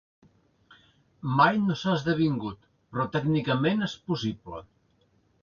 Mai no s’ha esdevingut, però tècnicament és possible.